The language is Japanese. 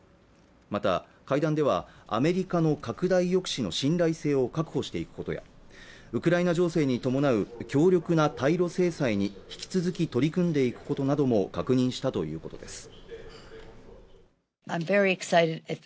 また会談ではアメリカの拡大抑止の信頼性を確保していく事やウクライナ情勢に伴う強力な対ロ制裁に引き続き取り組んでいくことなども確認したということです